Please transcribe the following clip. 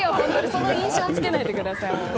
その印象をつけないでください。